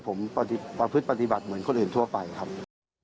ผมประพฤติปฏิบัติเหมือนคนอื่นทั่วไปครับ